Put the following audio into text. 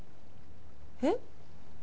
えっ？